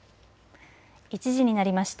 １時になりました。